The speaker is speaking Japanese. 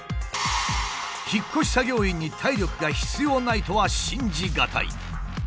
引っ越し作業員に体力が必要ないとは信じ難い。